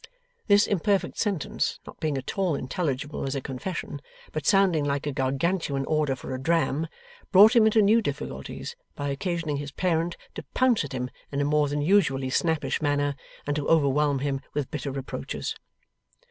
This imperfect sentence not being at all intelligible as a confession, but sounding like a Gargantuan order for a dram, brought him into new difficulties by occasioning his parent to pounce at him in a more than usually snappish manner, and to overwhelm him with bitter reproaches.